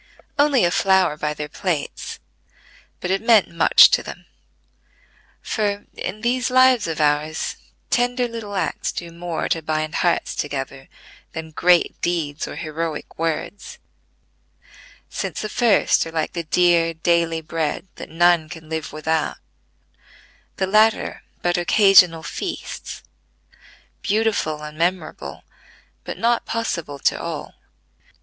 Only a flower by their plates; but it meant much to them: for, in these lives of ours, tender little acts do more to bind hearts together than great, deeds or heroic words; since the first are like the dear daily bread that none can live without; the latter but occasional feasts, beautiful and memorable, but not possible to all.